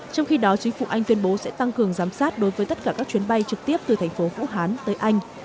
trong khi đó chính phủ anh tuyên bố sẽ tăng cường giám sát đối với tất cả các chuyến bay trực tiếp từ thành phố vũ hán tới anh